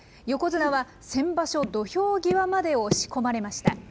横綱は先場所、土俵際まで押し込まれました。